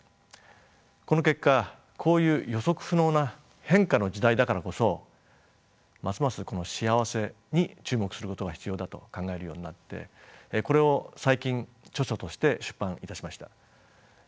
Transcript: この結果こういう予測不能な変化の時代だからこそますますこの幸せに注目することが必要だと考えるようになってこれを最近著書として出版いたしました。